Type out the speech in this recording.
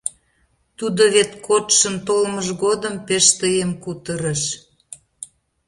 Тудо вет кодшын толмыж годым пеш тыйым кутырыш.